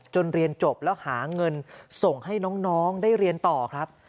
เรียนจบแล้วหาเงินส่งให้น้องได้เรียนต่อครับ